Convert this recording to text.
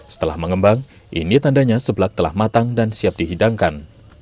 setelah mengembang ini tandanya seblak telah matang dan siap dihidangkan